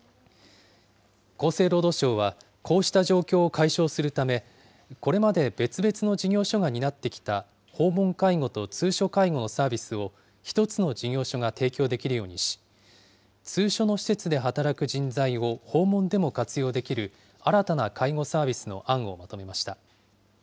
厚生労働省はこうした状況を解消するため、これまで別々の事業所が担ってきた訪問介護と通所介護のサービスを１つの事業所が提供できるようにし、通所の施設で働く人材を訪問でも活用できる新たな介護サービスの案をまとめました。